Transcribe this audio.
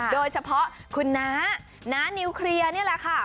โดยเฉพาะคุณน้าน้านิวเคลียร์นี่แหละค่ะ